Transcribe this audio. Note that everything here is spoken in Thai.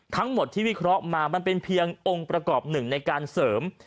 ทั้งหมดที่วิเคราะห์มามันเป็นเพียงองค์ประกอบหนึ่งในการเสริม